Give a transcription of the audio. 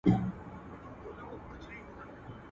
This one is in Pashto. چي درانه بارونه وړي، خورک ئې ځوز دئ.